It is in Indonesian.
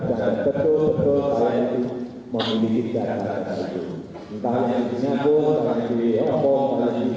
betul betul saya memiliki data data itu